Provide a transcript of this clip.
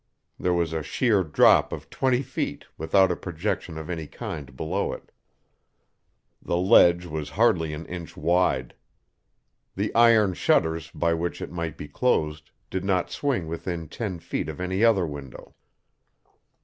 There was a sheer drop of twenty feet, without a projection of any kind below it. The ledge was hardly an inch wide. The iron shutters by which it might be closed did not swing within ten feet of any other window.